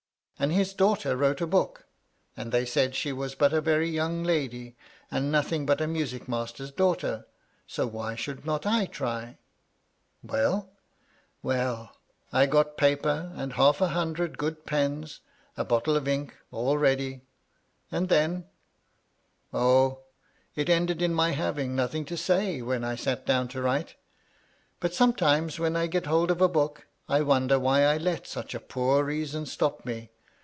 And his daughter wrote a book, and they said she was but a very young lady, and nothing but a music master's daughter ; so why should not I try ?" "WeU?" " Well I I got paper and half a hundred good pens, a bottle of ink, all ready " "And.then "" O, it ended in my having nothing to say, when I sat down to write. But sometimes, when I get hold of a book, I wonder why I let such a poor reason stop me.